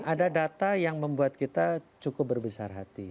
ada data yang membuat kita cukup berbesar hati